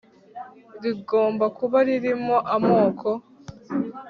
rigomba kuba ririmo amoko